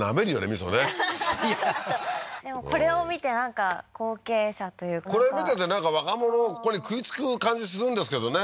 みそねでもこれを見てなんか後継者というかこれ見てて若者ここに食いつく感じするんですけどね